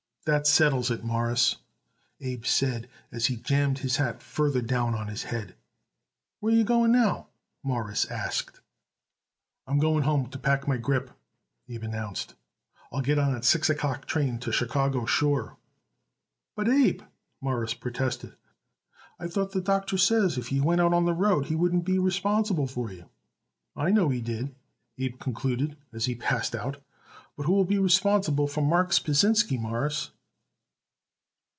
"That settles it, Mawruss," Abe said as he jammed his hat farther down on his head. "Where are you going now?" Morris asked. "I'm going home to pack my grip," Abe announced, "and I'll get that six o'clock train to Chicago, sure." "But, Abe," Morris protested, "I thought the doctor says if you went out on the road he wouldn't be responsible for you." "I know he did," Abe concluded as he passed out, "but who will be responsible for Marks Pasinsky, Mawruss?"